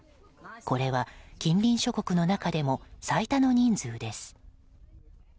これは近隣諸国の中でも最多の人数です。